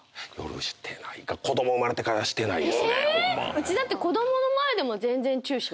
うちだって。